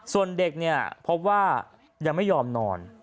ส่วนเด็กเนี่ยพบว่ายังไม่ยอมนอน